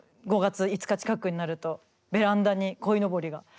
５月５日近くになるとベランダにこいのぼりが。